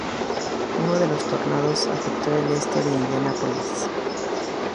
Uno de los tornados afectó al este de Indianápolis.